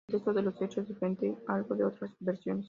El texto de los Hechos difiere algo de otras versiones.